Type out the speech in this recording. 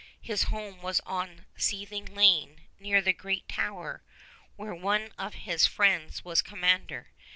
His home was on Seething Lane near the great Tower, where one of his friends was commander.